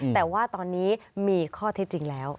แต่ว่าตอนนี้มีข้อเท็จจริงแล้ว